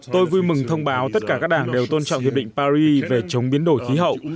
tôi vui mừng thông báo tất cả các đảng đều tôn trọng hiệp định paris về chống biến đổi khí hậu